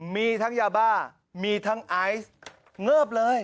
มีทั้งยาบ้ามีทั้งไอซ์เงิบเลย